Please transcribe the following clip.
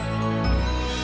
ampun kang makasih